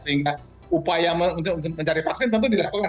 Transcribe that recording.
sehingga upaya untuk mencari vaksin tentu dilakukan